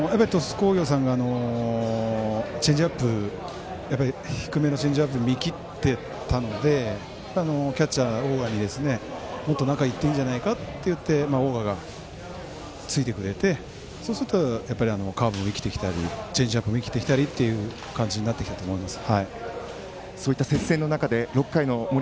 鳥栖工業さんがチェンジアップ低めを見切ってたのでキャッチャー、大賀にもっと中入っていいんじゃないかっていって大賀がついてくれてカーブも生きてきたりチェンジアップも生きてきたりという感じになってきたと思います。